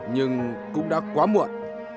nhưng cũng đã quá muộn